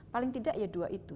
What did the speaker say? paling tidak ya dua itu